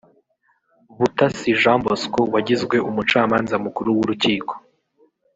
Butasi Jean Bosco wagizwe umucamaza mukuru w’urukiko